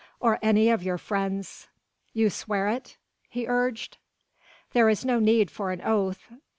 "Or any of your friends." "You swear it?" he urged. "There is no need for an oath."